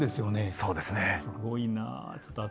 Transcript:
すごいなあ。